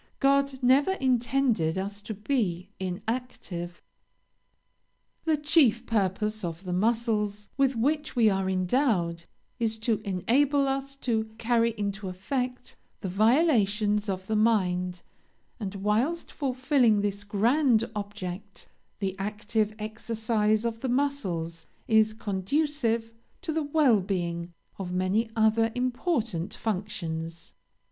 God never intended us to be inactive. "The chief purpose of the muscles with which we are endowed, is to enable us to carry into effect the volitions of the mind; and, whilst fulfilling this grand object, the active exercise of the muscles is conducive to the well being of many other important functions.